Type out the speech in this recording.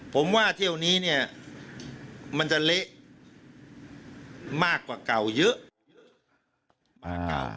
ผมว่าเที่ยวนี้เนี่ยมันจะเละมากกว่าเก่าเยอะ